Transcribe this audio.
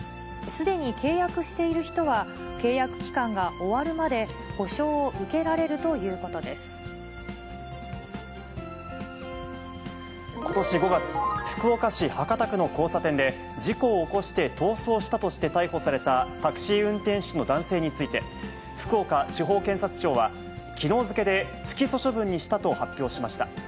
すでに契約している人は契約期間が終わるまで補償を受けられるとことし５月、福岡市博多区の交差点で、事故を起こして逃走したとして逮捕されたタクシー運転手の男性について、福岡地方検察庁は、きのう付で不起訴処分にしたと発表しました。